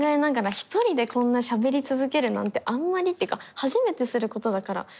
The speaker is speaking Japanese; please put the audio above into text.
１人でこんなしゃべり続けるなんてあんまりっていうか初めてすることだから不思議。